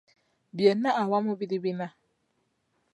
Byonna awamu biri bina.